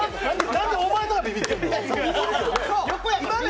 何でお前がビビってんの？